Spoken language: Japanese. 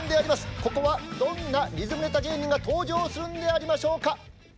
ここはどんなリズムネタ芸人が登場するんでありましょうか？